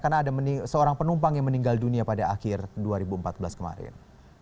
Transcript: karena ada seorang penumpang yang meninggal dunia pada akhir dua ribu empat belas kemarin